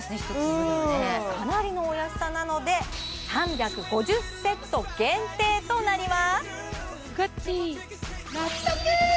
かなりのお安さなので３５０セット限定となります